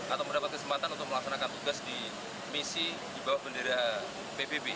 atau mendapat kesempatan untuk melaksanakan tugas di misi di bawah bendera pbb